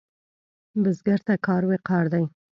بزګر ته کار وقار دی